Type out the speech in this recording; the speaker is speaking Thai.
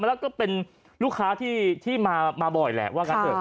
แล้วก็เป็นลูกค้าที่มาบ่อยแหละ